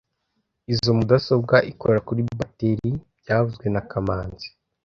Izoi mudasobwa ikora kuri bateri byavuzwe na kamanzi